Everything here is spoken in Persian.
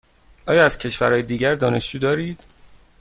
آیا از کشورهای دیگر دانشجو دارید؟